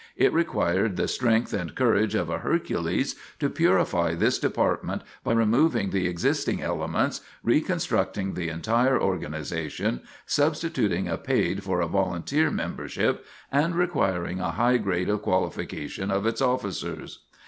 It required the strength and courage of a Hercules to purify this department by removing the existing elements, reconstructing the entire organization, substituting a paid for a volunteer membership, and requiring a high grade of qualification of its officers.